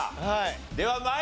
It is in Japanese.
はい。